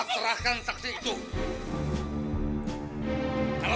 dek aku mau ke sana